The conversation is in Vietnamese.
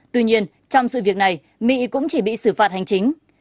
tuy nhiên trong sự việc này mỹ cũng chỉ bị xử phạt hành chính